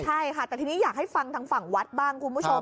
ใช่ค่ะแต่ทีนี้อยากให้ฟังทางฝั่งวัดบ้างคุณผู้ชม